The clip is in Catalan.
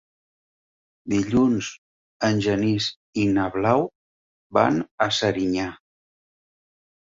Dilluns en Genís i na Blau van a Serinyà.